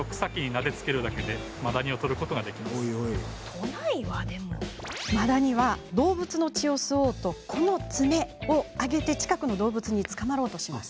マダニは動物の血を吸おうとこの爪を上げ、近くの動物につかまろうとします。